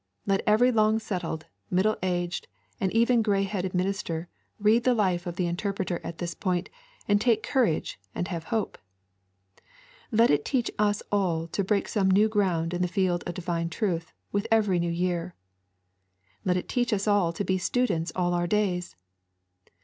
Let every long settled, middle aged, and even grey headed minister read the life of the Interpreter at this point and take courage and have hope. Let it teach us all to break some new ground in the field of divine truth with every new year. Let it teach us all to be students all our days.